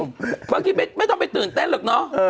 เมื่อกี้ไม่ต้องไปตื่นเต้นหรอกเนอะ